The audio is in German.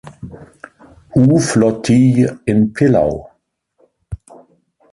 U-Flottille in Pillau.